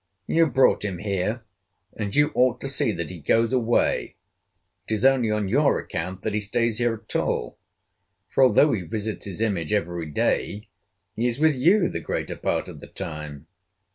You brought him here, and you ought to see that he goes away. It is only on your account that he stays here at all, for, although he visits his image every day, he is with you the greater part of the time.